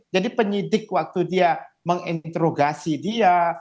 jadi penyidik waktu dia menginterogasi dia